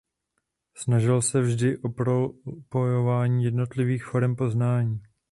Snažil se vždy o propojování jednotlivých forem poznávání.